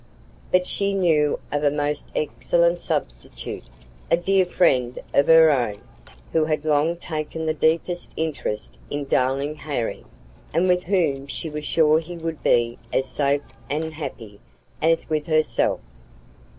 But she knew of a most excellent substitute a dear friend of her own, who had long taken the deepest interest in darling Harry, and with whom she was sure he would be as safe and happy as with herself.